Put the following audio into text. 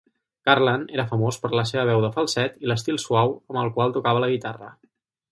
Garland era famós per la seva veu de falset i l'estil suau amb el qual tocava la guitarra.